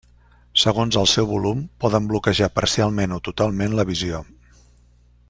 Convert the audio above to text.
Segons el seu volum poden bloquejar parcialment o totalment la visió.